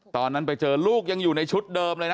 ตอนนั้นไปเจอลูกยังอยู่ในชุดเดิมเลยนะ